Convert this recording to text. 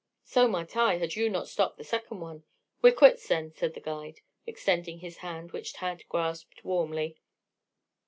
"So might I, had you not stopped the second one. We're quits then," said the guide, extending his hand, which Tad grasped warmly.